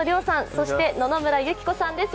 そして野々村友紀子さんです。